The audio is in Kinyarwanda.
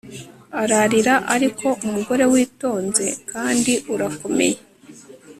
Ararira Ariko umugore witonze kandi urakomeye